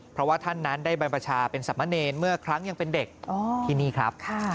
เพราะว่าท่านนั้นได้บรรพชาเป็นสามเณรเมื่อครั้งยังเป็นเด็กที่นี่ครับ